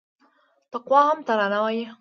تقوا هم ترانه وايي